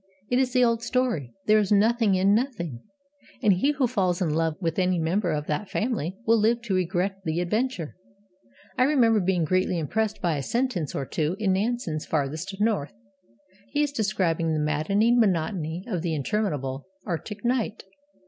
It is the old story, there is nothing in Nothing; and he who falls in love with any member of that family will live to regret the adventure. I remember being greatly impressed by a sentence or two in Nansen's Farthest North. He is describing the maddening monotony of the interminable Arctic night.